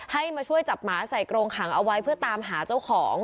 ให้มาช่วยจับหมาใส่กรงขังเอาไว้เพื่อตามหาเจ้าของ